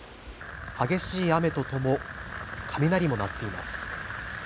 激しい雨と雷も鳴っています。